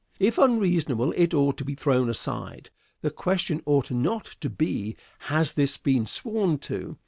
If unreasonable it ought to be thrown aside. The question ought not to be, "Has this been sworn to?"